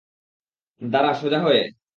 দাঁড়া সোজা হয়ে।